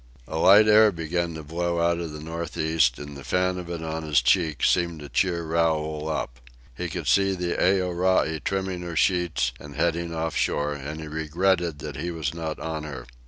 A light air began to blow out of the northeast, and the fan of it on his cheek seemed to cheer Raoul up. He could see the Aorai trimming her sheets and heading off shore, and he regretted that he was not on her.